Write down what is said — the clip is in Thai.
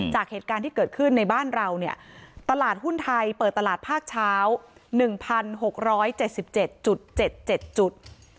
จากเหตุการณ์ที่เกิดขึ้นในบ้านเราเนี่ยตลาดหุ้นไทยเปิดตลาดภาคเช้า๑๖๗๗จุด